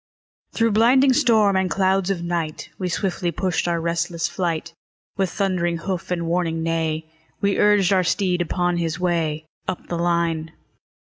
Through blinding storm and clouds of night, We swiftly pushed our restless flight; With thundering hoof and warning neigh, We urged our steed upon his way Up the line.